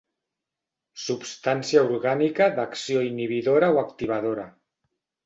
Substància orgànica d'acció inhibidora o activadora.